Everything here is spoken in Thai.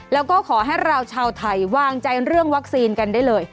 แล้วก็ขอให้เราชาวไทยวางใจเรื่องวัคซีนกันได้เลย